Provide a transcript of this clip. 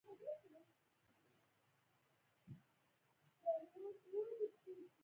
نجونو د سپنې خولې نذرونه ایښي